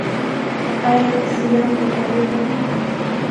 آيا اسلام دنړۍ غوره دين دې